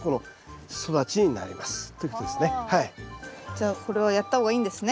じゃあこれはやった方がいいんですね。